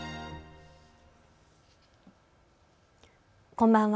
こんばんは。